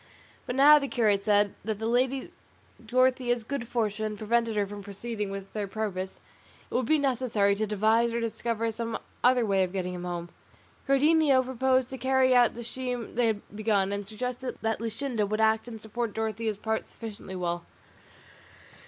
But now, the curate said, that the lady Dorothea's good fortune prevented her from proceeding with their purpose, it would be necessary to devise or discover some other way of getting him home. Cardenio proposed to carry out the scheme they had begun, and suggested that Luscinda would act and support Dorothea's part sufficiently well.